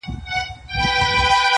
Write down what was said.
• یو معلم کلي ته نوی وو راغلی -